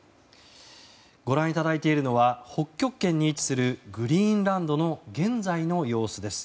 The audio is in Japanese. ご覧いただいているのは北極圏に位置するグリーンランドの現在の様子です。